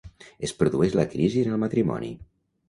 Es produeix la crisi en el matrimoni.